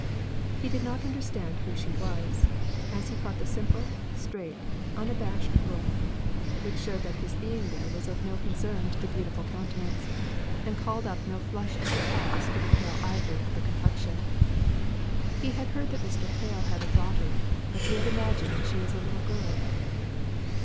He did not understand who she was, as he caught the simple, straight, unabashed look, which showed that his being there was of no concern to the beautiful countenance, and called up no flush of surprise to the pale ivory of the complexion. He had heard that Mr. Hale had a daughter, but he had imagined that she was a little girl.